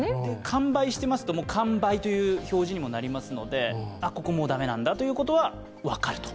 完売していますと、完売という表示にもなりますのでここも駄目なんだということは分かると。